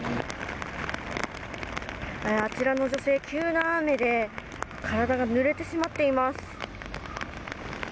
あちらの女性、急な雨で体がぬれてしまっています。